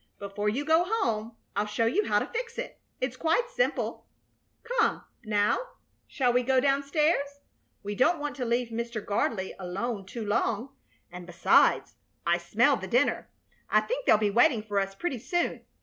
Before you go home I'll show you how to fix it. It's quite simple. Come, now, shall we go down stairs? We don't want to leave Mr. Gardley alone too long, and, besides, I smell the dinner. I think they'll be waiting for us pretty soon.